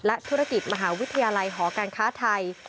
ธุรกิจมหาวิทยาลัยหอการค้าไทย